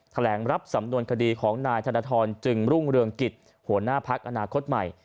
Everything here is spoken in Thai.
รับสำนวนคดีของนายธนทรจึงรุ่งเรืองกิจหัวหน้าพักอนาคตใหม่